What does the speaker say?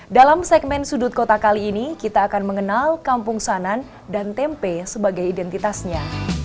dalam segmen sudut kota kali ini kita akan mengenal kampung sanan dan tempe sebagai identitasnya